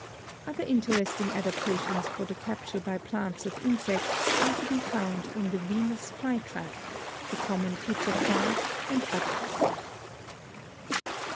Other interesting adaptations for the capture by plants of insects are to be found in the Venus fly trap, the common pitcher plant and others.